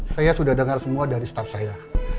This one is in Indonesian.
saya sudah dengar semua dari staff saya